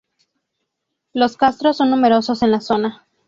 Los castros son numerosos en la zona.